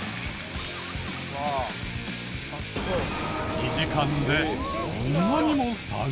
２時間でこんなにも差が。